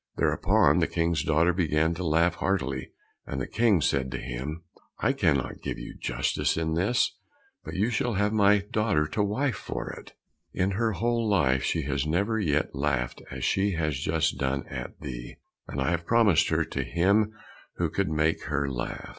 Thereupon the King's daughter began to laugh heartily, and the King said to him, "I cannot give you justice in this, but you shall have my daughter to wife for it,—in her whole life she has never yet laughed as she has just done at thee, and I have promised her to him who could make her laugh.